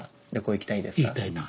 行きたいな。